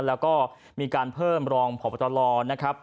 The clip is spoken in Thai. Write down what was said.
แล้วก็มีการเพิ่มรองพบตรนะครับ